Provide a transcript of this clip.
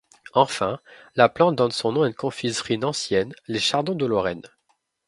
Enfin, la plante donne son nom à une confiserie nancéienne, les Chardons de Lorraine.